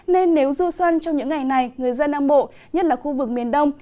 nên nếu du xuân trong những ngày này người dân nam bộ nhất là khu vực miền đông